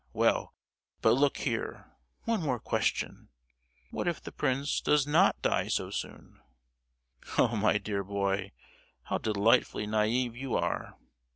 —Well, but look here—one more question:—What if the prince does not die so soon?" "Oh, my dear boy, how delightfully naïve you are!